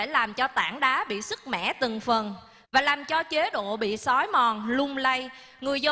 là anh bị bắt tội rồi